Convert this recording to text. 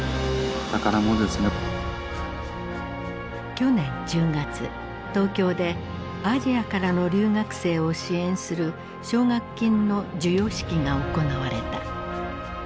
去年１０月東京でアジアからの留学生を支援する奨学金の授与式が行われた。